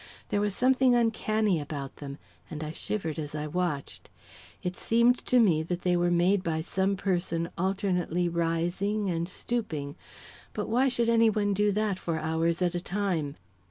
There was something uncanny about them, and I shivered as I watched. It seemed to me that they were made by some person alternately rising and stooping, but why should any one do that for hours at a time?